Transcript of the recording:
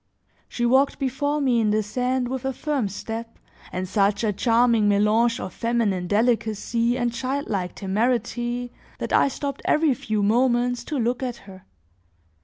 She walked before me in the sand with a firm step and such a charming melange of feminine delicacy and childlike temerity, that I stopped every few moments to look at her.